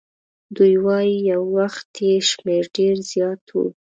دوی وایي یو وخت یې شمیر ډېر زیات وو.